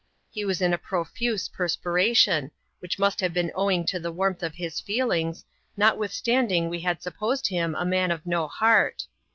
He was in a profuse perspiration, whidi must have been owing to the warmth of his feelings, notwith standing we had supposed him a man of no heart.